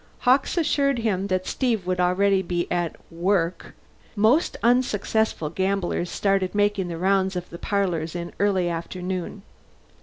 Hawkes assured him that Steve would already be at "work"; most unsuccessful gamblers started making the rounds of the parlors in early afternoon.